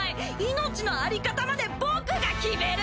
命の在り方まで僕が決める！